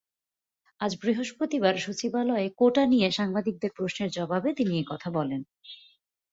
আজ বৃহস্পতিবার সচিবালয়ে কোটা নিয়ে সাংবাদিকদের প্রশ্নের জবাবে তিনি এ কথা বলেন।